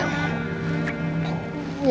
kamu gak usah khawatir